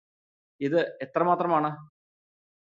ഇത് എത്രമാത്രമാണ്?